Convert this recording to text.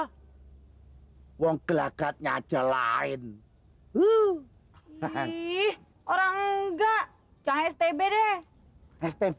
hai wong gelagatnya aja lain uh nih orang enggak jangan stb deh stb